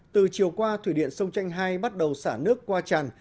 từ chiều qua thủy điện sông tranh hai bắt đầu xả nước qua tràn